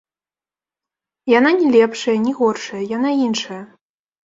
Яна ні лепшая, ні горшая, яна іншая.